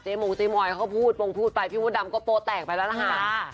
เจ๊มองส์ดีมอยเขาพูดมองดำก็โปะแตกไปละหาก